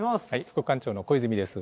副館長の小泉です。